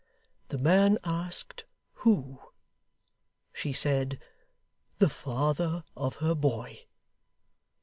The man asked "Who?" She said, "The father of her boy."